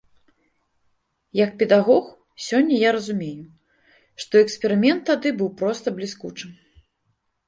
Як педагог, сёння я разумею, што эксперымент тады быў проста бліскучым.